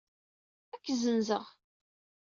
Ad k-ssenzeɣ!